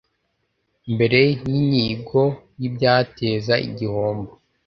mbere y inyigo y ibyateza igihombo